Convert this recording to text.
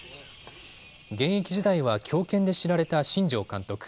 現役時代は強肩で知られた新庄監督。